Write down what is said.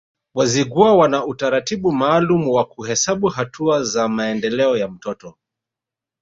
Wazigua wana utaratibu maalum wa kuhesabu hatua za maendeleo ya mtoto